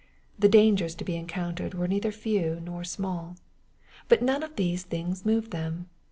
The dangers to be encountered were neither few nor small. But none of these things moved them.